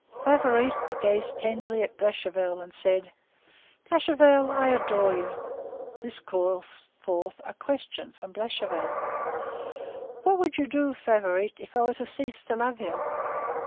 Favourite gazed tenderly at Blachevelle and said:— "Blachevelle, I adore you." This called forth a question from Blachevelle:— "What would you do, Favourite, if I were to cease to love you?"